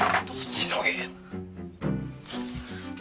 急げ！